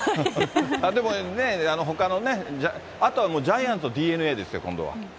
でもね、ほかのね、あとはジャイアンツとＤｅＮＡですよ。